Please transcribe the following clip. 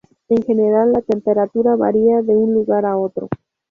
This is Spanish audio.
En general la temperatura varia de un lugar a otro.